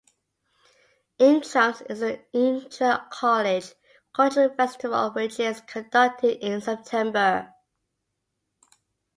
Intrams is the intra-college cultural festival which is conducted in September.